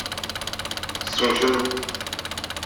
Son genou.